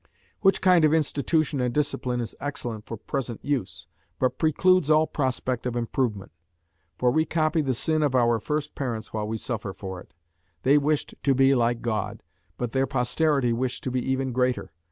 Which kind of institution and discipline is excellent for present use, but precludes all prospect of improvement. For we copy the sin of our first parents while we suffer for it. They wished to be like God, but their posterity wish to be even greater.